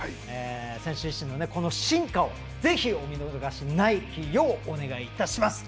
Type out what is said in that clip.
選手自身の進化をぜひお見逃しないようお願いいたします。